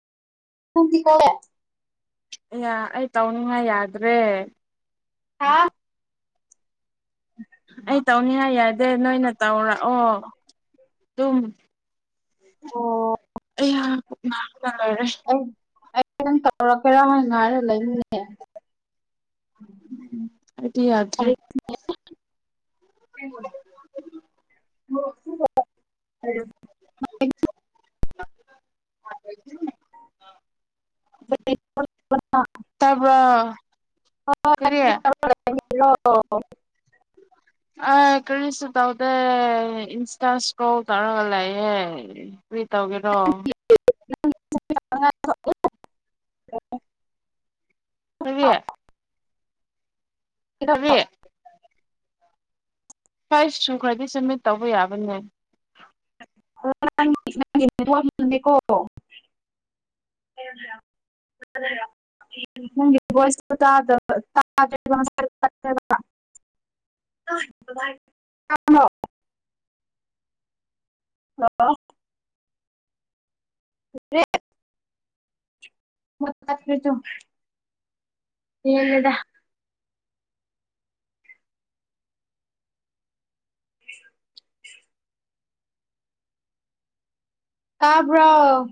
ꯇꯨꯡꯗꯤ [unintelligible] ꯑꯩꯌꯥ ꯑꯩ ꯇꯧꯅꯤꯡꯉꯥꯏ ꯌꯥꯗ꯭ꯔꯦ ꯑ ꯍꯥ ꯑꯣ ꯑꯩ ꯇꯧꯅꯤꯉꯥꯏ ꯌꯥꯗꯦ ꯅꯣꯏꯅ ꯇꯧꯔꯛꯑꯣ ꯑꯗꯨꯝ ꯑꯣ ꯑꯩꯍ ꯄꯨꯛ ꯅꯕꯅꯥ ꯂꯣꯏꯔꯦ ꯑꯩ ꯑꯩ ꯇꯧꯔꯛꯀꯦꯔꯥ ꯍꯥꯏ ꯉꯥꯏꯔꯦ ꯂꯩꯕꯅꯤꯅꯦ ꯑꯩꯗꯤ ꯌꯥꯗ꯭ꯔꯦ [unintelligible] [unintelligible] [unintelligible] [unintelligible] ꯇꯥꯕ꯭ꯔꯣ ꯑꯣ ꯀꯔꯤ [unintelligible] [unintelligible] ꯑ ꯀꯔꯤꯁꯨ ꯇꯧꯗꯦ ꯏꯟꯁꯇꯥ ꯏꯁꯀ꯭ꯔꯣꯜ ꯇꯧꯔꯒ ꯂꯩꯥꯌꯦ ꯀꯔꯤ ꯇꯧꯒꯦꯔꯣ [unintelligible] ꯀꯔꯤ ꯀꯔꯤ ꯁ꯭ꯋꯥꯥꯏ ꯁꯨ ꯈꯔꯗꯤ ꯁꯃꯤꯠ ꯇꯧꯕ ꯌꯥꯕꯅꯦ [unintelligible] [unintelligible] ꯅꯦꯀꯣ ꯍ [unintelligible] ꯅꯪꯒꯤ ꯕꯣꯏꯁꯇꯣ ꯇꯥꯗꯕꯥ ꯇꯥꯗꯦꯕꯥ ꯉꯥꯁꯥꯏ ꯇꯥꯠꯂꯦꯕꯥ ꯑꯥꯏ [unintelligible] ꯑꯥ ꯍꯣ [unintelligible] [unintelligible] ꯍꯂꯣ [unintelligible] [unintelligible] [unintelligible] ꯄꯦꯂꯦꯗꯥ ꯇꯥꯕ꯭ꯔꯣ